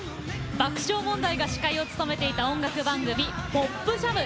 爆笑問題が司会を務めていた音楽番組「ポップジャム」。